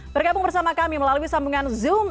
bergabung bersama kami melalui sambungan zoom